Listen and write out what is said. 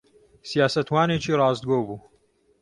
سیاسەتوانێکی ڕاستگۆ بوو.